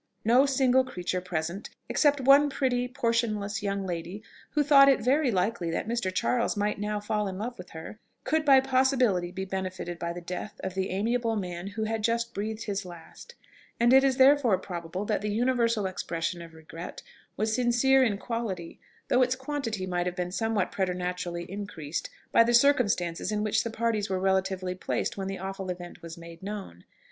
No single creature present, except one pretty portionless young lady who thought it very likely that Mr. Charles might now fall in love with her, could by possibility be benefited by the death of the amiable man who had just breathed his last, and it is therefore probable that the universal expression of regret was sincere in quality, though its quantity might have been somewhat preternaturally increased by the circumstances in which the parties were relatively placed when the awful event was made known.